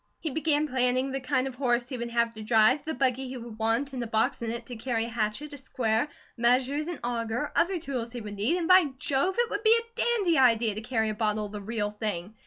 He began planning the kind of horse he would have to drive, the buggy he would want, and a box in it to carry a hatchet, a square, measures, an auger, other tools he would need, and by Jove! it would be a dandy idea to carry a bottle of the real thing.